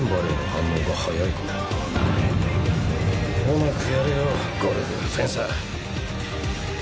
うまくやれよゴルフフェンサー。